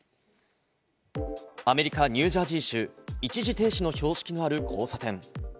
アメリカ・ニュージャージー州、一時停止の標識のある交差点。